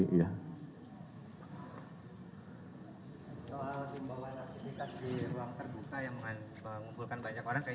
soal kembangkan aktivitas di ruang terbuka yang mengumpulkan banyak orang kayaknya kelewat tadi pak